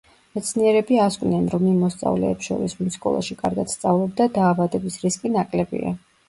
მეცნიერები ასკვნიან, რომ იმ მოსწავლეებს შორის, ვინც სკოლაში კარგად სწავლობდა, დაავადების რისკი ნაკლებია.